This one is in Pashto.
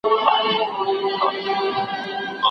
چي ځې مي له محفله روانېږې شپه په خیر